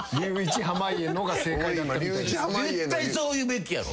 絶対そう言うべきやろ。